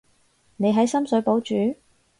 你喺深水埗住？